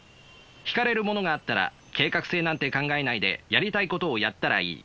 引かれるものがあったら計画性なんて考えないでやりたいことをやったらいい。